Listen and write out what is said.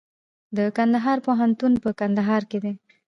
د کندهار پوهنتون په کندهار کې دی